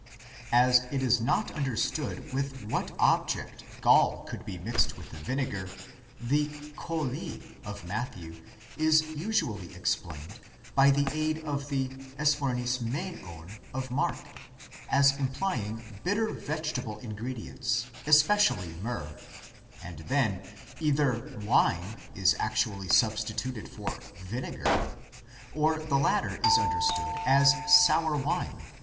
As it is not under stood with what object gall could be mixed with the vinegar, the χολὴ of Matthew is usually explained, by the aid of the ἐσμυρνισμένον of Mark, as implying bitter vegetable ingredients, especially myrrh ; and then either οἶνον wine is actually substituted for ὄξος vinegar, or the latter is understood as sour wine